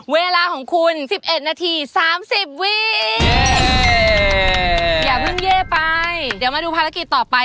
เวลาของคุณสิบเอ็ดนาที๓๐วิอย่าเพิ่งแย่ไปเดี๋ยวมาดูภารกิจต่อไป